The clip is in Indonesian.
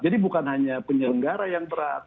jadi bukan hanya penyelenggara yang berat